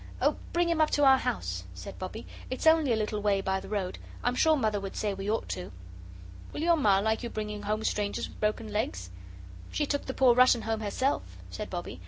"Oh, bring him up to our house," said Bobbie. "It's only a little way by the road. I'm sure Mother would say we ought to." "Will your Ma like you bringing home strangers with broken legs?" "She took the poor Russian home herself," said Bobbie.